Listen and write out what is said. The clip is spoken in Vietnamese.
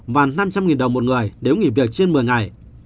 và năm trăm linh đồng một người nếu nghỉ việc trên một mươi ngày